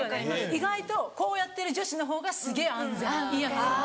意外とこうやってる女子の方がすげぇ安全いいヤツ。